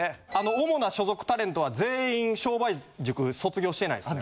主な所属タレントは全員笑売塾卒業してないです。